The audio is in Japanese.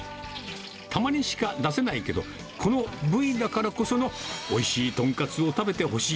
たまにしか出せないけど、この部位だからこそのおいしい豚カツを食べてほしい。